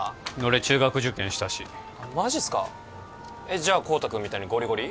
俺中学受験したしマジっすかえっじゃ孝多君みたいにゴリゴリ？